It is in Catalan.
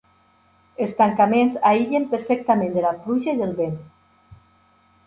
Els tancaments aïllen perfectament de la pluja i del vent.